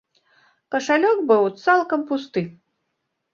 Кашалёк быў цалкам пусты.